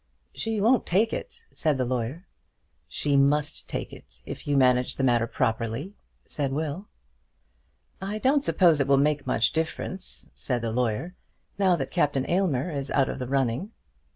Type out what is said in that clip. "She won't take it," said the lawyer. "She must take it, if you manage the matter properly," said Will. "I don't suppose it will make much difference," said the lawyer, "now that Captain Aylmer is out of the running."